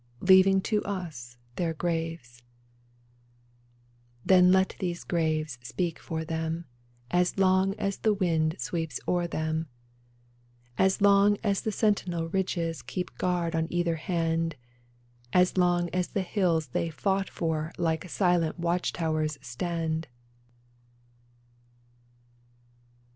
Leaving to us their graves ! Then let these graves speak for them As long as the wind sweeps o'er them ! As long as the sentinel ridges Keep guard on either hand ; As long as the hills they fought for Like silent watch towers stand